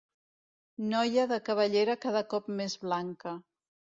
Noia de cabellera cada cop més blanca.